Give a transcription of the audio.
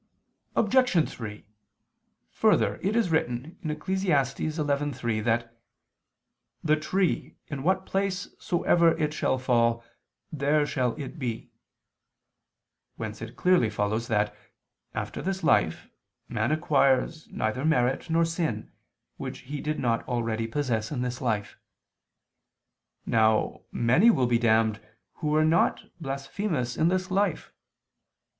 Obj. 3: Further, it is written (Eccles. 11:3) that "the tree ... in what place soever it shall fall, there shall it be": whence it clearly follows that, after this life, man acquires neither merit nor sin, which he did not already possess in this life. Now many will be damned who were not blasphemous in this life.